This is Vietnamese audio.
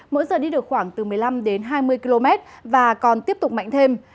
mỗi giờ đi được khoảng từ một mươi năm đến hai mươi km và còn tiếp tục mạnh thêm